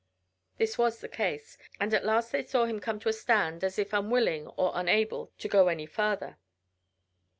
This was the case, and at last they saw him come to a stand as if unwilling, or unable, to go any farther.